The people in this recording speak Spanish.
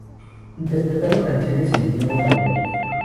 Interpretando canciones en idioma panyabí.